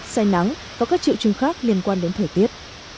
say nắng và các triệu chứng khác liên quan đến thời tiết